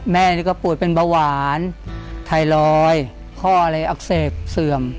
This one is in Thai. แม่นี่ก็ป่วยเป็นเบาหวานไทรอยข้ออะไรอักเสบเสื่อม